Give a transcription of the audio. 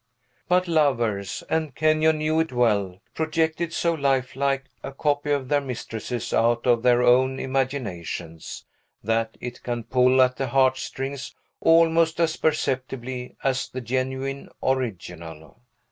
But lovers, and Kenyon knew it well, project so lifelike a copy of their mistresses out of their own imaginations, that it can pull at the heartstrings almost as perceptibly as the genuine original.